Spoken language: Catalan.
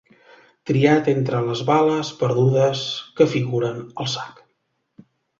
Triat entre les bales perdudes que figuren al sac.